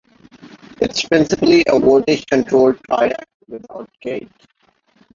It is principally a voltage-controlled triac without gate.